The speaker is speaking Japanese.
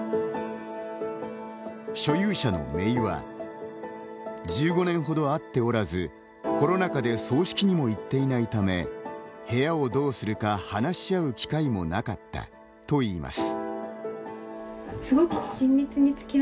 所有者のめいは「１５年ほど会っておらずコロナ禍で葬式にも行っていないため部屋をどうするか話し合う機会もなかった」といいます。